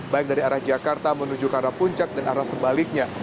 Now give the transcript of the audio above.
baik dari arah jakarta menuju ke arah puncak dan arah sebaliknya